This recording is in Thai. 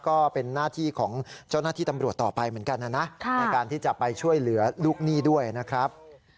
ก็เป็นหน้าที่ของเจ้าหน้าที่ตำรวจต่อไปเหมือนกันนะนะในการที่จะไปช่วยเหลือลูกหนี้ด้วยนะครับ